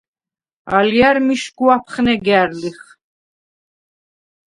ალჲა̈რ მიშგუ აფხნეგა̈რ ლიხ.